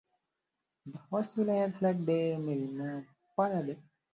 د خوست ولایت خلک ډېر میلمه پاله دي.